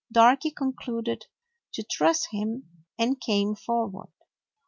Darky concluded to trust him and came foward.